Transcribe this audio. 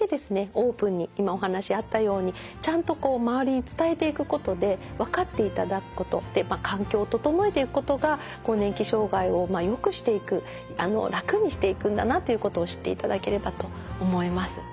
オープンに今お話あったようにちゃんと周りに伝えていくことで分かっていただくこと環境を整えていくことが更年期障害をよくしていく楽にしていくんだなということを知っていただければと思います。